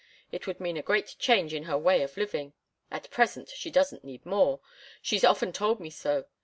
It would mean a great change in her way of living. At present she doesn't need more. She's often told me so.